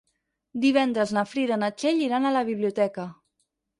Divendres na Frida i na Txell iran a la biblioteca.